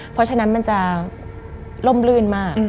เพราะฉะนั้นมันจะล่มลื่นมาก